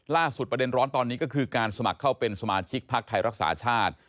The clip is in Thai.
ประเด็นร้อนตอนนี้ก็คือการสมัครเข้าเป็นสมาชิกพักไทยรักษาชาติ